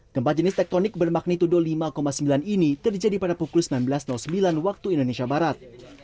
gempa jenis tektonik bermagnitudo lima sembilan ini terjadi pada pukul sembilan belas sembilan waktu indonesia barat